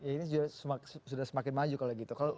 ini sudah semakin maju kalau gitu